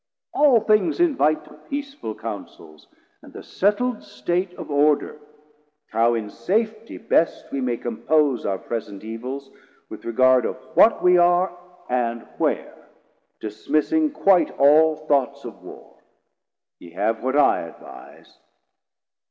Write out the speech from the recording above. All things invite To peaceful Counsels, and the settl'd State Of order, how in safety best we may 280 Compose our present evils, with regard Of what we are and where, dismissing quite All thoughts of Warr: ye have what I advise.